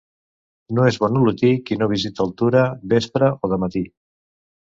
No és bon olotí qui no visita el Tura, vespre o de matí.